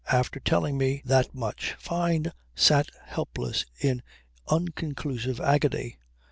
After telling me that much Fyne sat helpless in unconclusive agony.